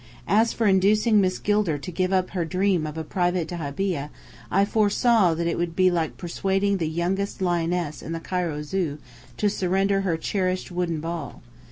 As for inducing Miss Gilder to give up her dream of a private dahabeah, I foresaw that it would be like persuading the youngest lioness in the Cairo Zoo to surrender her cherished wooden ball.